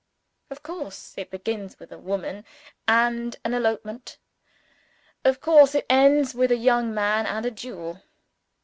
Of course it begins with a woman and an elopement. Of course it ends with a young man and a duel.